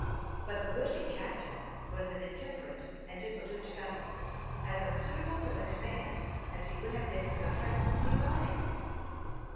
But the would be captain was an intemperate and dissolute fellow, as unsuitable for the command as he would have been for the presidency of a bank.